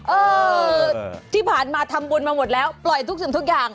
เออที่ผ่านมาทำบุญมาหมดแล้วปล่อยทุกสิ่งทุกอย่าง